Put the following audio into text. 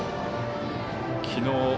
きのう